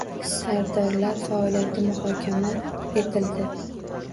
Sardorlar faoliyati muhokama etildi